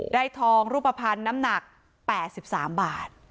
ทองรูปภัณฑ์น้ำหนัก๘๓บาท